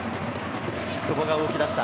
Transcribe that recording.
久保が動き出した。